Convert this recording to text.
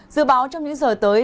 dự báo trong những giờ tới